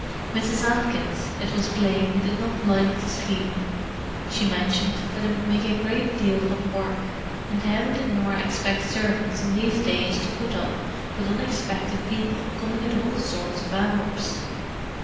Mrs. Atkins, it was plain, did not like the scheme. She mentioned that it would make a great deal of work, and how did Norah expect servants in these days to put up with unexpected people coming at all sorts of hours?